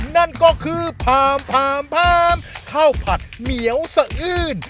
นั่นก็คือพามข้าวผัดเหมียวสะอื้น